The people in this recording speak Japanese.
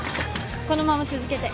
このまま続けて。